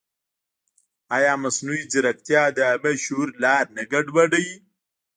ایا مصنوعي ځیرکتیا د عامه شعور لار نه ګډوډوي؟